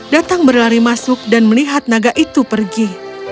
datang berlari masuk dan melihat naga itu pergi